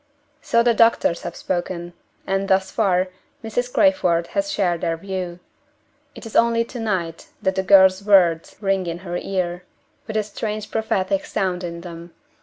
So the doctors have spoken; and, thus far, Mrs. Crayford has shared their view. It is only to night that the girl's words ring in her ear, with a strange prophetic sound in them.